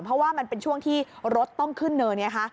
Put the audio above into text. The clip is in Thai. เพราะว่ามันเป็นช่วงที่รถต้องขึ้นเนินไงคะ